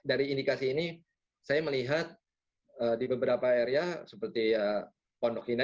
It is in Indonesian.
dari indikasi ini saya melihat di beberapa area seperti pondok hina